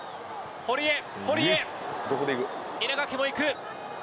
堀江、稲垣も行く。